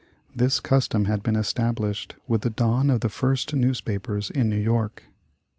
This custom had been estab lished with the dawn of the first newspapers in New York.